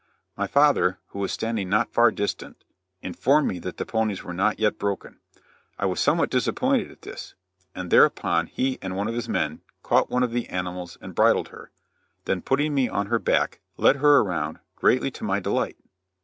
My father, who was standing not far distant, informed me that the ponies were not yet broken. I was somewhat disappointed at this; and thereupon he and one of his men caught one of the animals and bridled her, then putting me on her back, led her around, greatly to my delight.